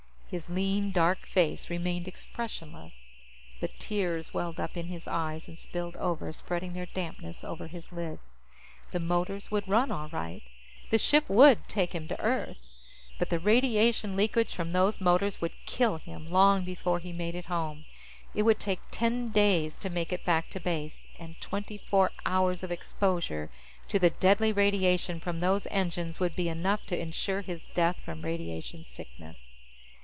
His lean, dark face remained expressionless, but tears welled up in his eyes and spilled over, spreading their dampness over his lids. The motors would run, all right. The ship could take him to Earth. But the radiation leakage from those motors would kill him long before he made it home. It would take ten days to make it back to base, and twenty four hours of exposure to the deadly radiation from those engines would be enough to insure his death from radiation sickness.